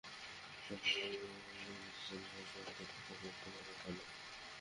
আমার বউ news channel সবসময় দেখে তাহলে তো ভালোই হলো।